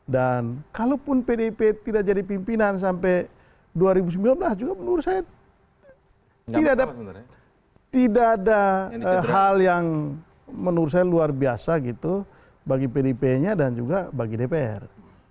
dan kalaupun pdip tidak jadi pimpinan sampai dua ribu sembilan belas juga menurut saya tidak ada hal yang menurut saya luar biasa bagi pdip nya dan juga bagi dpr